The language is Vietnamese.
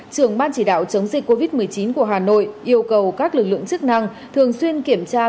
trưởng ban chỉ đạo chống dịch covid một mươi chín của hà nội yêu cầu các lực lượng chức năng thường xuyên kiểm tra